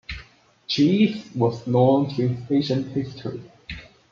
Cheese was known since ancient history.